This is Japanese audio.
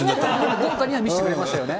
豪華には見せてくれましたよね。